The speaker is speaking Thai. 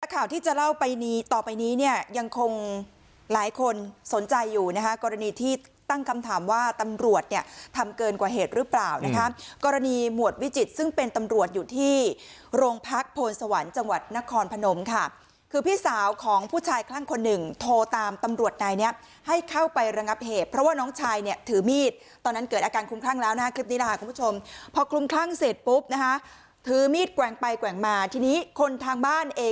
ข่าวที่จะเล่าไปนี้ต่อไปนี้เนี่ยยังคงหลายคนสนใจอยู่นะฮะกรณีที่ตั้งคำถามว่าตำรวจเนี่ยทำเกินกว่าเหตุหรือเปล่านะฮะกรณีหมวดวิจิตซึ่งเป็นตำรวจอยู่ที่โรงพักโพลสวรรค์จังหวัดนครพนมค่ะคือพี่สาวของผู้ชายคลั่งคนหนึ่งโทรตามตำรวจในนี้ให้เข้าไประงับเหตุเพราะว่าน้องชายเนี่ยถือมีดตอนนั้